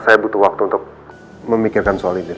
saya butuh waktu untuk memikirkan soal ini